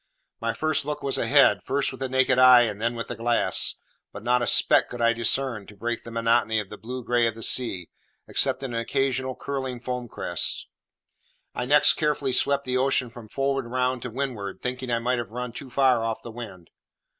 My first look was ahead, first with the naked eye, and then with the glass; but not a speck could I discern to break the monotony of the blue grey of the sea, except an occasional curling foam crest. I next carefully swept the ocean from forward round to windward, thinking I might have run too far off the wind.